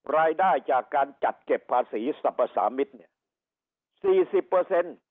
รายได้จากการจัดเก็บภาษีสรรพสามิตร